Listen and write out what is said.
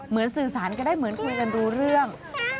เหมือนสื่อสารก็ได้เหมือนคุยกันรู้เรื่อง